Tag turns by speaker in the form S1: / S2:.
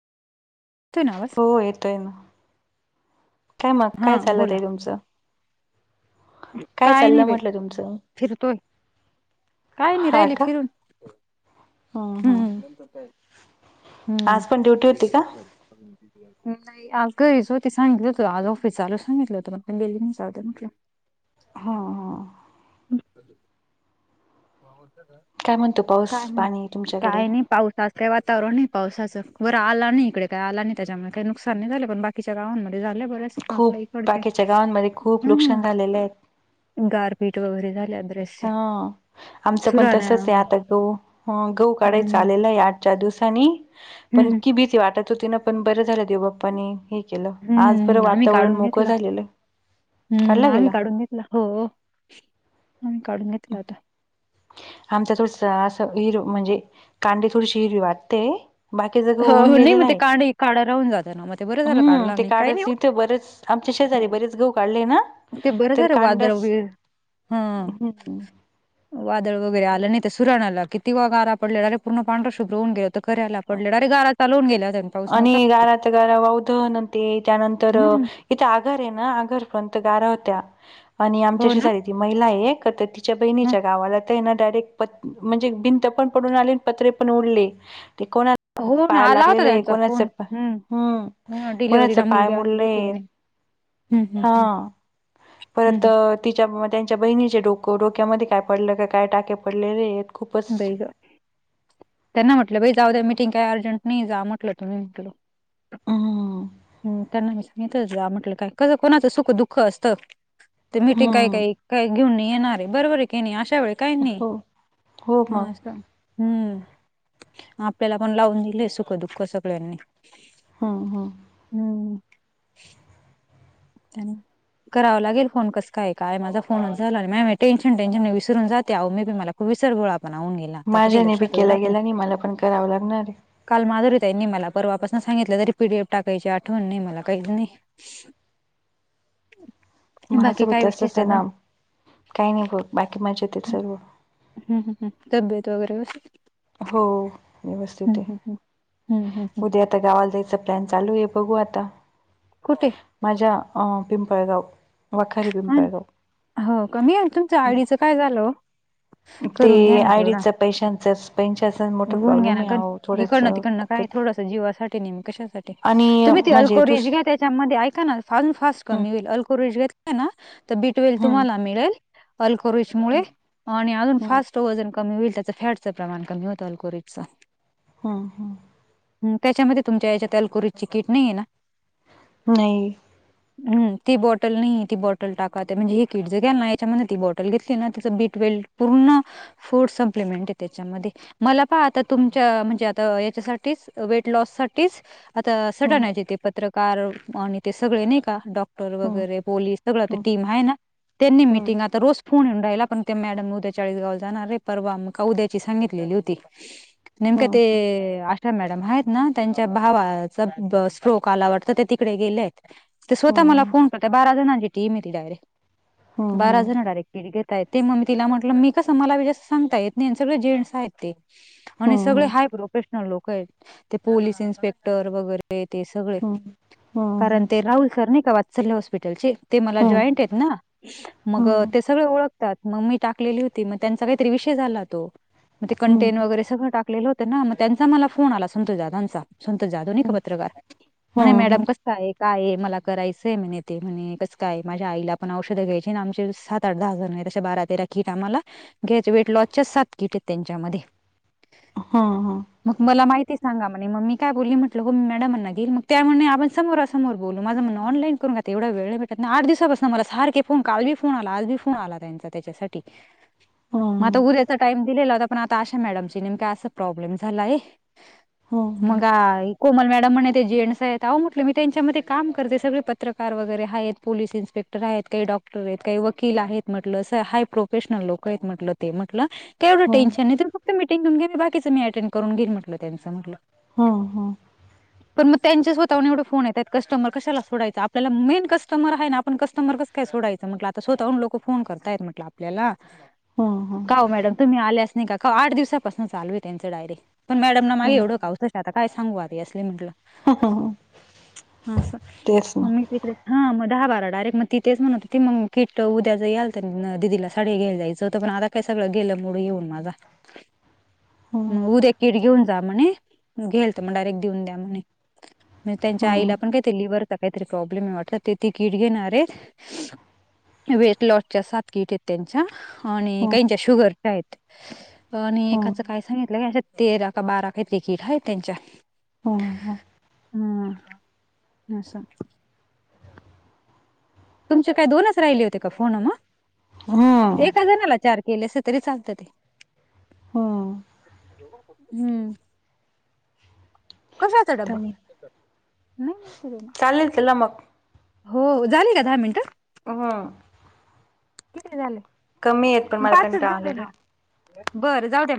S1: येतोय ना आवाज?
S2: हो येतोय ना, काय मग
S1: हा
S2: काय चाललय
S1: बोला.
S2: ताई तुमच?
S1: काय नाही बाई,
S2: तुमचं
S1: फिरतोय काय नाही
S2: हा
S1: राहिले
S2: का
S1: फिरून
S2: हम्म हम्म.
S1: [unintelligible] हम्म.
S2: आज पण ड्युटी होती का?
S1: [inaudible] नाही अगं ही श्रुती सांगितलं होत आज ऑफिस चालू सांगितलं होतं म बेली चालत म्हटलं
S2: हां हां.
S1: [inaudible]
S2: काय म्हणतो पाऊस पाणी तुमच्याकडे?
S1: पावसाचं काही वातावरण नाही पावसाचं बरं आला नाही इकडे काय आला नाही त्याच्यामुळे काही नुकसान नाही झालं पण बाकी च्या गावांमध्ये झालं बऱ्याच आपल्या
S2: खूप
S1: इकडचे
S2: बाकीच्या गावांमध्ये खूप
S1: हम्म
S2: नुकसान झालेले आहेत
S1: गार पीठ वगैरे झाल्या बरेच
S2: हा आमचं पण तसच आहे आता गहू अह गहू काढायचं
S1: हम्म
S2: आलेलं आहे आ चार दिवसांनी पण
S1: हम्म
S2: इतकी भीती वाटत होती ना पण बरं झालं देव बाप्पानी हे केलं आज बरं
S1: हम्म आम्ही
S2: वातावरण
S1: काढून
S2: मोकळ
S1: घेतला.
S2: झालेलं
S1: हम्म
S2: काढला
S1: आम्ही
S2: गेला
S1: काढून हो आम्ही काढून घेतला होता.
S2: आमचा थोडस असं हिर म्हणजे कांडी थोडीशी हिरवी वाटते. बाकी सगळ
S1: हो
S2: होऊन
S1: हो नाही
S2: गेलेलं
S1: मग ते
S2: आहे
S1: कांड काढा राहून जातं ना मग ते बरं झालं
S2: हम्म
S1: काढला
S2: ते
S1: नाही काही नाही
S2: काढच इथं बरेच आमच्या शेजारी
S1: हो
S2: बरेच गहू काढले ना,
S1: ते बरं
S2: तर
S1: झालं वादळ
S2: कांडच
S1: वगैरे हा
S2: ह [inaudible]
S1: वादळ वगैरे आलं नाही तर सुरण आला कितीवा गारा पडलेला अरे पूर्ण पांढरा शुभ्र होऊ गेल तर घरी आल्यावर पडलेलं डायरेक्ट गाराच. चालवून गेल्या त्यांनी.
S2: आणि गारात गारा वावधन आणि ते त्या नंतर
S1: हम्म
S2: इथं आगर आहे ना आगरपर्यंत गारा होत्या आणि
S1: हो
S2: आमच्याशी
S1: ना
S2: चाळीतील महिला एक तर ती तिच्या
S1: हं
S2: बहिणीच्या गावाला ते न डायरेक्ट म्हणजे भिंत पण पडून आले आणि पत्रे पण उडले ते कोना
S1: हो ना
S2: पायाला
S1: आला होता
S2: लागलेलं एक
S1: त्यांचा
S2: अस,
S1: फोन
S2: हम्म
S1: हो ना
S2: कोणाचा
S1: डिलिव्हरीला
S2: पाय
S1: मुलगी आलेली होती
S2: मोडलय.
S1: म्हणे हं हं हं
S2: हां
S1: हं
S2: परत
S1: हं.
S2: अह तिच्या त्यांच्या बहिणीच्या डोकं डोक्यामध्ये काय पडलं का काय टाके पडलेलेहेत.
S1: बाई ग. त्यांना म्हटलं बाई जाऊ द्या मीटिंग काही अर्जंट नाही जा म्हटलं तुम्ही म्हटलं
S2: हं,
S1: हम्म त्यांना मी सांगितलंच या म्हटलं, कसं कोणाचं सुख दुःख असतं. ते मीटिंग काही
S2: हं.
S1: काही काही घेऊन नाही येणार आहे बरोबर आहे की नाही अशा वेळी काही नाही.
S2: हो, हो मग.
S1: [unintelligible] हम्म आपल्याला पण लावून दिलेय सुख दुःख सगळ्यांनी.
S2: हां हां.
S1: ह्म्म्म. [unintelligible] करावं लागेल फोन, कसं काय, काय माझा फोनच झाला नाही. माय माय टेन्शन टेन्शन नी विसरून जाते, आव मी बी मला विसरभोळा पणा हून गे
S2: माझ्याने बी केला गेला नाही, मला पण करावं लागणार.
S1: काल माधुरीताईंनी मला परवापासनं सांगितलं, तरी पी डी एफ टाकायची आठवण नाही मला. [unintelligible] बाकी
S2: माझं बी
S1: काय विशेष
S2: तसंच आहे
S1: अजून?
S2: ना. काही नाही हो, बाकी मजेत हेत सर्व.
S1: हम्म हम् हम् तब्येत वगैरे-'
S2: हो,
S1: हं,
S2: व्यवस्थित ए,
S1: हं, हं. हं, हं, हं.
S2: उद्या आता गावालं जायचा प्लॅन चालूये, बघू आता.
S1: कुटे?
S2: माझ्या पिंपळगाव, वखारी
S1: हा ना
S2: पिंपळगाव.
S1: हो का? [unintelligible] तुमचं आयडीच काय झालं वो?
S2: [inaudible] ते आयडीच पैशांचच, पेन्शाचं मोठं प्रॉब्लेम आहे अहो, थोडं
S1: इकडंन तिकडंन काय थोडसं जीवासाठी, नेहमी कशासाठी,
S2: आणि
S1: तुम्ही ते
S2: म्हणजे
S1: अल्कोहोरीज
S2: दुस
S1: घेत्यात त्याच्यामध्ये ऐका ना, [unintelligible] फास्ट
S2: हम्म
S1: कमी होईल. अल्कोरिज घेतलं ना त बीपी ट्वेल
S2: हम्म
S1: तुम्हाला मिळेल अल्कोरीजमुळे,
S2: हम्म
S1: आणि अजून
S2: हम्म
S1: फास्ट त वजन कमी होईल, त्याच फॅटचं प्रमाण कमी होतं अल्कोरीजच.
S2: ह्म्म ह्म्म.
S1: हम्म, त्याच्यामध्ये तुमच्या ह्याच्यात, अलकुरीजची कीट नईये ना?
S2: न्हाई.
S1: हम्म, ती बॉटल नईये, ती बॉटल टाक आता म्हणजे हे किट जर घ्याल ना, याच्यामध्ये ती बॉटल घेतली ना तेचं बी ट्वेल पूर्ण फूड सप्लिमेंटये त्याच्यामध्ये. मला पहा आता, तुमच्या म्हणजे आता याच्यासाठीच, वेट लॉस साठीच आता
S2: हम्म
S1: सडन आहे तिथे, पत्रकार आणि ते सगळे नाही का, डॉक्टर
S2: हम्म
S1: वगैरे पोलीस सगळं ते टीम हाये न, त्यांनी
S2: हम्म
S1: मिटिंग आता रोस फोन यिऊन राहला, पण ते मॅडम उद्या चाळीस गावल जाणारये, परवा म का उद्याची सांगितलेली होती नेमक
S2: हम्म
S1: ते... अ अ मॅडम हायेत ना, त्यांच्या भावाचा अ ब स्ट्रोक आला वाटत त्या तिकडे गेल्यायेत. ते स्वतः
S2: हम्म
S1: मला
S2: हम्म
S1: फोन करते, बारा जणांची टीमये ती डायरेक्ट, बारा
S2: हम्म
S1: जण डायरेक्ट घेता येते, म मी तिला म्हटलं मी कसं, मला बी जास्त सांगता येत नाही, अन सगळे जेंन्ट्स आहेत ते आणि सगळे
S2: हम्म हम्म
S1: हाय प्रोफेशनल लोकंयेतं. ते पोलिस इन्स्पेक्टर वगैरे ते ते सगळे,
S2: हम्म हम्म हम्म
S1: कारण ते राहुल सर नाई का वात्सल्य हॉस्पिटलचे, ते जॉईंटयेत ना, मग ते सगळं ओळख तात, म मी टाकलेली होती, म त्यांचा काईतरी विषय झाला तो, म ते
S2: हम्म हम्म हम्म
S1: कंटेंट
S2: हम्म
S1: वगैरे सगळं टाक लेलं होत ना, म त्यांचा मला फोन आला, संतोष दादांचा संतोष जाधव नाही का पत्रकार, म्हने मॅडम कसं काये? काये, मला करायचंय म्हणे ते, म्हणे कसं काये? - माझ्या आईला पण औषधं घ्यायची, अन आमचे सात-आठ-दहा जनं आहेत. अशा बारा-तेरा कीट आम्हाला घ्यायचे, वेट लॉसच्याच सात कीटयेत त्यांच्यामध्ये
S2: हं हं.
S1: मग मला माहिती सांगा म्हणे, मग मी काय बोलली, म्हटलं हो मी मॅडमांना घेल, मग त्या म्हणे आपण समोरच समोर बोलू. माझं म्हणनं, ऑनलाईन करून घ्या ते. एवढा वेळ नाही भेटत ना, आठ दिवस. समोरच, सारखे फोन. काल बी फोन आला, आज बी फोन आला, त्यांचा त्याच्यासाठी. मग आता उद्याचा टाइम दिलेला होता. पण आता आशा मॅडमची, नेमका असं प्रॉब्लेम झालाय. मगा, कोमल मॅडम म्हने ते जेंट्सयात. अहो म्हटलं, मी त्यांच्यामध्ये काम करते. सगळे पत्रकार वगैरे हायत. पोलिस इन्स्पे इन्स्पेक्टर आहेत, काही डॉक्टरयत. काही वकील आहेत म्हटलं. स हाय प्रोफेशनल लोकयत म्हंटल ते. म्हंटल एवढं टेन्शनय तर, फक्त मीटिंग तुम्ही घ्या, मी बाकीचं मी अटेंड करून घेइल म्हटलं, त्यांचं म्हटलं.
S2: हा, हा.
S1: पण मग त्यांचे स्वतःहून एवढे फोन येतायत. कस्टमर कशाला सोडायचा. आपल्याला मेन कस्टमर हाय ना आपण कस्टमर कसं, काय सोडायंचं म्हटलं. आता स्वतः हुन लोकं फोन करतयात म्हटल. आप ल्याला.
S2: हम्म
S1: का हो मॅडम, तुम्ही आल्यास नाही का? का आठ दिवसापासून चालूय त्यांचं डायरी पण मॅडमना, माझे एवढं [unintelligible] आता, काय सांगू? आता आधी असली म्हटलं.
S2: हम्म
S1: असं.
S2: तेच
S1: म
S2: ना
S1: मी तिकडे हा, मग दहा बारा. डायरेक्ट. मग ती तेच म्हणत होती, मग किट उद्यां जर यायल तर, दिदीला साडी घ्यायला जायचं होतं. पण आता काय सगळं गेलं, मुड येऊन माझा.
S2: [inaudible]
S1: म
S2: हम्म
S1: उद्या किट घेऊन जा म्हणे. घेल तर मग, डायरेक्ट देऊन द्या म्हणे. म्हणजे त्यांच्या
S2: हम्म
S1: आईला पण, काही ते लिव्हवरचा काहीतरी प्रॉब्लेमय वाटतं. ते ती कीट घेणार. वेट- वेट लॉसच्या सात किटयत त्यांच्या. आणि
S2: हम्म
S1: काहींच्या शुगर आहेत. आणि
S2: हम्म
S1: एकाचं काय सांगितलंय. अशा तेरा का, बारा काही तरी कीट हायत त्यांच्या.
S2: हम्म हम्म
S1: हम्. असन. तुमचे काय दोनच राहिले होते का, फोन मग?
S2: हम्म
S1: एका जणाला चार केलेसा तरी चालत ते.
S2: हो.
S1: हम्म. कशाचा डब्बा? नाही माहिती रे मला.
S2: चालेल, चला मग.
S1: हो, झाली का दहा मिनटं.
S2: हम्म
S1: किती झाले?
S2: कमीयत पण, मला
S1: पाचच
S2: कंटाळा
S1: झाले
S2: आलाय लय.
S1: ना बरं, जाऊ द्या.